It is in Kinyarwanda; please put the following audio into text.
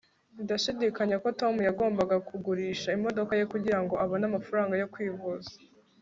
ndashidikanya ko tom yagombaga kugurisha imodoka ye kugirango abone amafaranga yo kwivuza